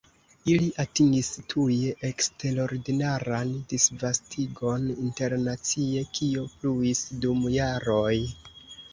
Ili atingis tuje eksterordinaran disvastigon internacie kio pluis dum jaroj.